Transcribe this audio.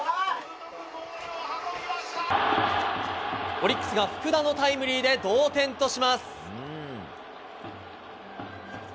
オリックスが福田のタイムリーで同点とします。